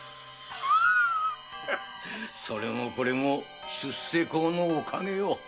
それもこれも出世講のおかげよ。